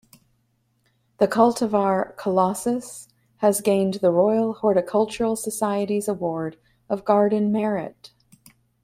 The cultivar 'Colossus' has gained the Royal Horticultural Society's Award of Garden Merit.